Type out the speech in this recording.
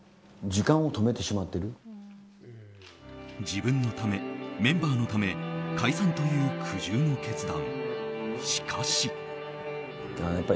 自分のため、メンバーのため解散という苦渋の決断。